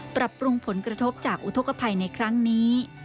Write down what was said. ปรับปรุงผลกระทบจากอุทธกภัยในครั้งนี้